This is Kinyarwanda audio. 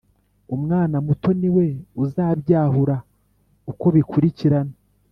umwana muto ni we uzabyahura uko bikurikirana